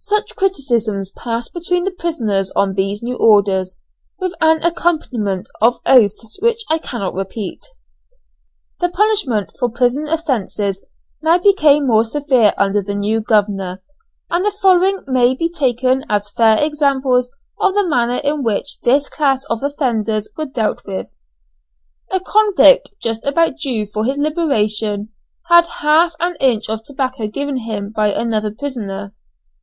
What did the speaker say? Such criticisms passed between the prisoners on these new orders, with an accompaniment of oaths which I cannot repeat. Insane. The punishment for prison offences now became more severe under the new governor, and the following may be taken as fair examples of the manner in which this class of offenders were dealt with. A convict just about due for his liberation had half an inch of tobacco given him by another prisoner.